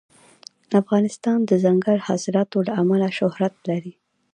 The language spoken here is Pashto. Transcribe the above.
افغانستان د دځنګل حاصلات له امله شهرت لري.